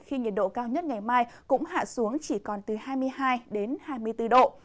khi nhiệt độ cao nhất ngày mai cũng hạ xuống chỉ còn từ hai mươi hai đến hai mươi bốn độ